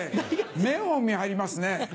目を見張りますね。